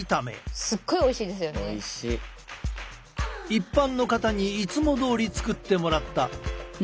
一般の方にいつもどおり作ってもらった。